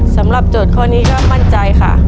สำหรับจุดข้อนี้ก็มั่นใจค่ะ